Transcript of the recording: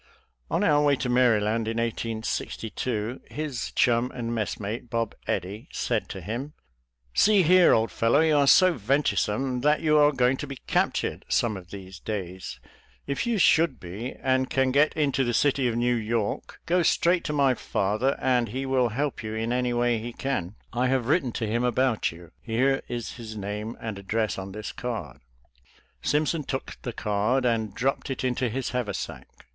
On our way to Maryland in 1862 his chum and messmate. Bob Eddy, said to him: 206 SOLDIER'S' LETTERS! TOi OHARHIING NELLIE " See here, old fellow, you are so venturesome tlat you are going to be captured somei of these dAjsr If i you should be, andean get into the City of New York; go straight to my father and he will help you in ' any way he can. I have written to him about you. Here' is his name and address on this cardJ' Simpson took! the card and dropped it into his haversack.